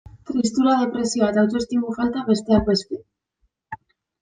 Tristura, depresioa eta autoestimu falta, besteak beste.